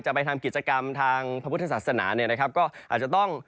จะไปทำกิจกรรมทางพระพุทธศาสนาก็อาจจะต้อง